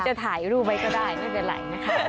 หรือจะถ่ายรูปไปก็ได้ไม่เป็นไรนะครับ